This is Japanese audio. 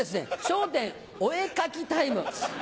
「笑点お絵描きタイム」。